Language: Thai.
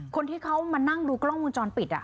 คนที่เขามานั่งดูกล้องมุมจรปิด